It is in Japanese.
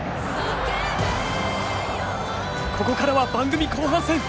ここからは番組後半戦！